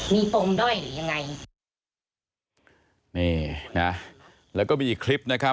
มีปมด้อยหรือยังไงนี่นะแล้วก็มีอีกคลิปนะครับ